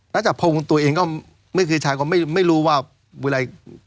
น่าจะพบตัวเองก็ไม่คิดใช้ก็ไม่รู้ว่าเวลา